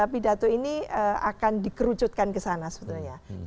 pidato ini akan dikerucutkan kesana sebetulnya